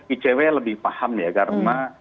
icw lebih paham ya karena